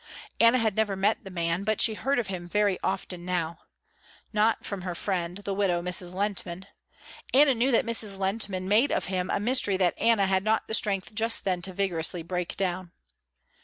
Anna had never met the man but she heard of him very often now. Not from her friend, the widow Mrs. Lehntman. Anna knew that Mrs. Lehntman made of him a mystery that Anna had not the strength just then to vigorously break down.